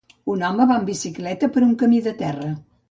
Un home va amb bicicleta per un camí de terra.